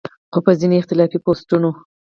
خو پۀ ځينې اختلافي پوسټونو